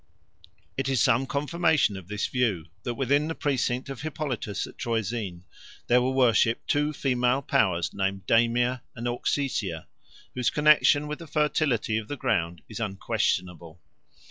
It is some confirmation of this view that within the precinct of Hippolytus at Troezen there were worshipped two female powers named Damia and Auxesia, whose connexion with the fertility of the ground is unquestionable.